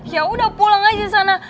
yaudah pulang aja sana